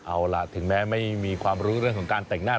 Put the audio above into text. เอาล่ะถึงแม้ไม่มีความรู้เรื่องของการแต่งหน้า